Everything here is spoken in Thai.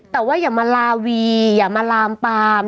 แต่ว่าอย่ามาลาวีอย่ามาลามปาม